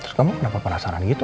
terus kamu kenapa penasaran gitu